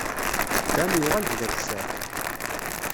Dan yuɣal-d d akessar.